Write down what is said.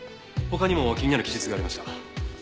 他にも気になる記述がありました。